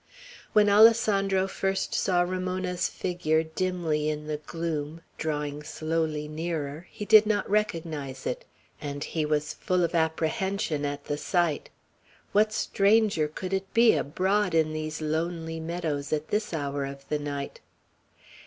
When Alessandro first saw Ramona's figure dimly in the gloom, drawing slowly nearer, he did not recognize it, and he was full of apprehension at the sight. What stranger could it be, abroad in these lonely meadows at this hour of the night?